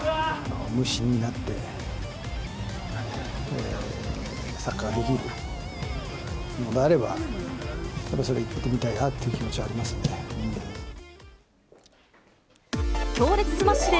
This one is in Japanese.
無心になって、サッカーができるのであれば、やっぱそれは行ってみたいなという気持ちはありますので。